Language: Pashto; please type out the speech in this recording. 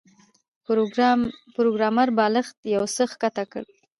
پروګرامر بالښت یو څه ښکته کړ